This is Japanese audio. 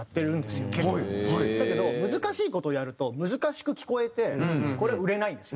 だけど難しい事をやると難しく聞こえてこれ売れないんですよ。